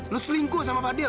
lu selingkuh sama fadil